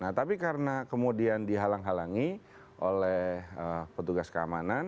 nah tapi karena kemudian dihalang halangi oleh petugas keamanan